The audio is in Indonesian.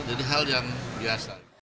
jadi hal yang biasa